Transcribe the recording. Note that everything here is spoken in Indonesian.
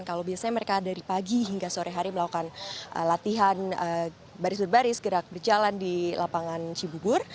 kalau biasanya mereka dari pagi hingga sore hari melakukan latihan baris baris gerak berjalan di lapangan cibubur